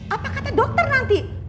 apa kata dokter nanti